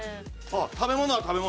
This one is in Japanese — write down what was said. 食べ物は食べ物？